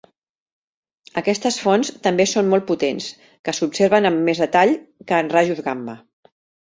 Aquestes fonts també són molt potents, que s'observen amb més detall que en rajos gamma.